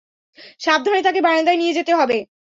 সাবধানে তাকে বারান্দায় নিয়ে যেতে হবে।